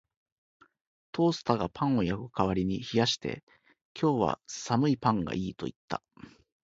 トースターがパンを焼く代わりに冷やして、「今日は寒いパンがいい」と言った